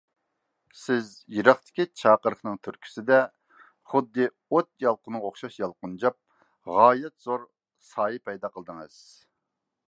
سىز يىراقتىكى چاقىرىقنىڭ تۈرتكىسىدە، خۇددى ئوت يالقۇنىغا ئوخشاش يالقۇنجاپ، غايەت زور سايە پەيدا قىلدىڭىز.